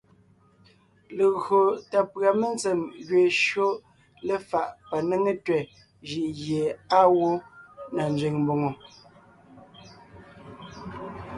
Legÿo tà pʉ̀a mentsèm gẅeen shÿó léfaʼ panéŋe tẅɛ̀ jʉʼ gie àa gwó na nzẅìŋ mbòŋo.